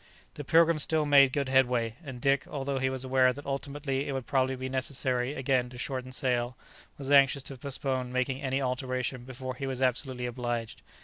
The "Pilgrim" still made good headway, and Dick, although he was aware that ultimately it would probably be necessary again to shorten sail, was anxious to postpone making any alteration before he was absolutely obliged.